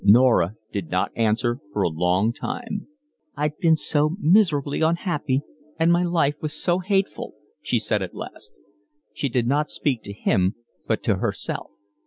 Norah did not answer for a long time. "I'd been so miserably unhappy, and my life was so hateful," she said at last. She did not speak to him, but to herself.